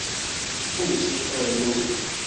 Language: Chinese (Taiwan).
復興二路